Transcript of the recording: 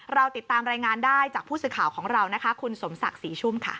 เราติดตามรายงานได้จากผู้สื่อข่าวของเรานะคะคุณสมศักดิ์ศรีชุ่มค่ะ